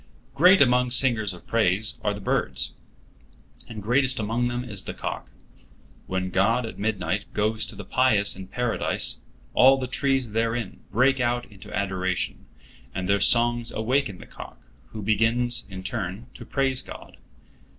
Great among singers of praise are the birds, and greatest among them is the cock. When God at midnight goes to the pious in Paradise, all the trees therein break out into adoration, and their songs awaken the cock, who begins in turn to praise God.